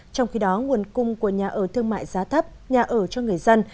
trong khi đó nguồn cung của nhà ở thương mại giá thấp nhà ở cho người dân